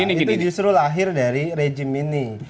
itu justru lahir dari rejim ini